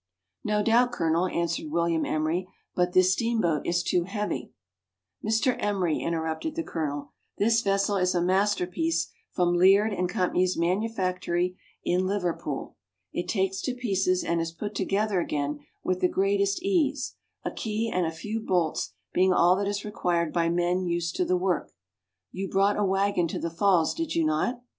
"No doubt, Colonel," answered William Emery, "but this steamboat is too heavy ..,"" Mr. Emery," interrupted the Colonel, " this vessel is a masterpiece from Leard and Co's manufactory in Liverpool. It takes to pieces, and is put together again with the great est ease, a key and a few bolts being all that is required by men used to the work. You brought a waggon to the falls, did you not